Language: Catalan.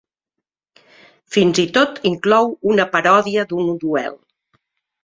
Fins i tot inclou una paròdia d'un duel.